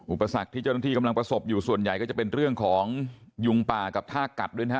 อุปสรรคที่เจ้าหน้าที่กำลังประสบอยู่ส่วนใหญ่ก็จะเป็นเรื่องของยุงป่ากับท่ากัดด้วยนะฮะ